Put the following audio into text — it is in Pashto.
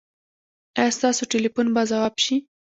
ایا ستاسو ټیلیفون به ځواب شي؟